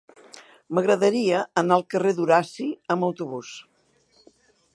M'agradaria anar al carrer d'Horaci amb autobús.